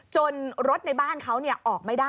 จนรถในบ้านเขาเนี่ยออกไม่ได้